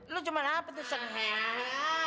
lu cuma ngapet tuh sengeng